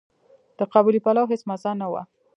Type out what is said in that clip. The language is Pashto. د قابلي پلو هيڅ مزه نه وه.